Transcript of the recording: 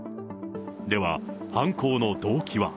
では、犯行の動機は。